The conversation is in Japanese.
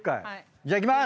じゃあいきます！